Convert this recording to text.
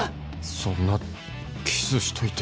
そんなキスしといて